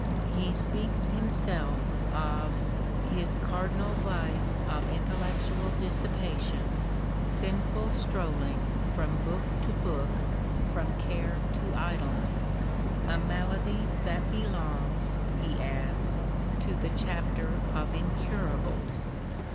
He speaks himself of " his cardinal vice of intellec tual dissipation, sinful strolling from book to book, from care to idleness "— "a malady that belongs," he adds, " to the chapter of incurables."